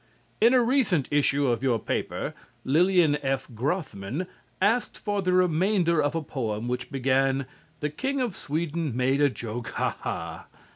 In a recent issue of your paper, Lillian F. Grothman asked for the remainder of a poem which began: "_The King of Sweden made a joke, ha, ha!